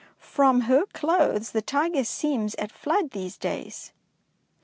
From her clothes, the Tyger seems at flood these days."